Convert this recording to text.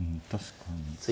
確かに。